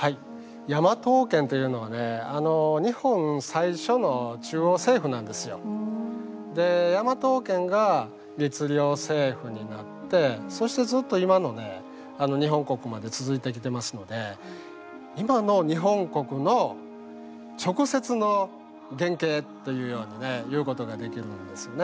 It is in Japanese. ヤマト王権というのはねでヤマト王権が律令政府になってそしてずっと今の日本国まで続いてきてますので今の日本国の直接の原形というようにね言うことができるんですね。